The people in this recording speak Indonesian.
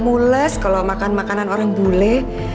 ibu malah mules kalau makan makanan orang bule